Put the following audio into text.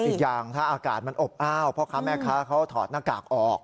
อีกอย่างถ้าอากาศมันอบอ้าวพ่อค้าแม่ค้าเขาถอดหน้ากากออก